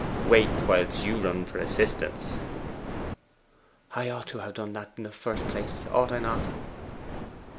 'Wait whilst you run for assistance.' 'I ought to have done that in the first place, ought I not?